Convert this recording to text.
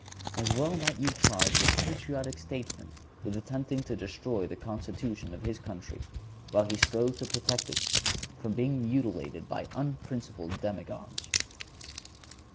As well might you charge the patriotic statesman with attempting to destroy the constitution of his country, while he strove to protect it from being mutilated by unprincipled demagogues.